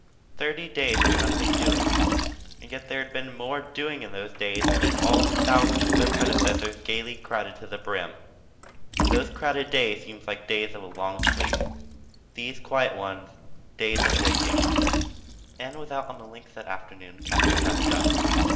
'" Thirty days of "nothing doing" and yet there had been more "doing" in those days than in all the thousands of their predecessors gaily crowded to the brim. Those crowded days seemed days of a long sleep; these quiet ones, days of waking. Ann was out on the links that afternoon with Captain Prescott.